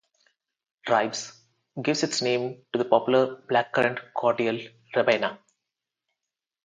"Ribes" gives its name to the popular blackcurrant cordial Ribena.